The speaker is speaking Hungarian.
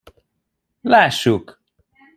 Lássuk!